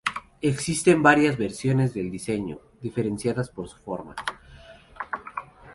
Existen varias versiones del diseño, diferenciadas por su forma.